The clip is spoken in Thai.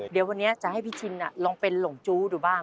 เดี๋ยววันนี้จะให้พี่ชินลองเป็นหลงจู้ดูบ้าง